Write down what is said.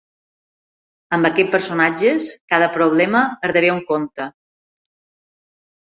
Amb aquests personatges, cada problema esdevé un conte.